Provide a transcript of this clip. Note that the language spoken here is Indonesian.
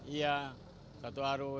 iya satu jalur